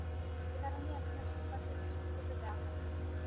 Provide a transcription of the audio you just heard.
একারণেই এখন আর শিম্পাঞ্জি নিয়ে শুট করতে দেয়া হয় না।